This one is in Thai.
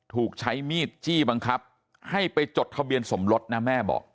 ถูกใช้มีดจี้บังคับให้ไปจดทะเบียนสมรสนะแม่บอก